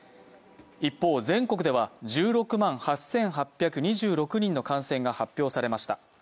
一方、全国では１６万８８２６人の感染が発表されました。